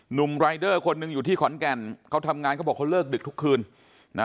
หนุ่มรายเดอร์คนหนึ่งอยู่ที่ขอนแก่นเขาทำงานเขาบอกเขาเลิกดึกทุกคืนนะ